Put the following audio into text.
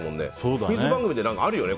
クイズ番組であるよね。